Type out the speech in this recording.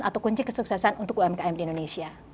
atau kunci kesuksesan untuk umkm di indonesia